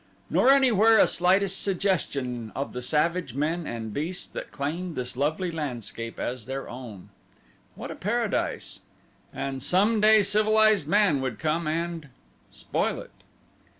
Nor anywhere a slightest suggestion of the savage men and beasts that claimed this lovely landscape as their own. What a paradise! And some day civilized man would come and spoil it!